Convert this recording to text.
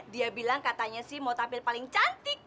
dia bilang katanya sih mau tampil paling cantik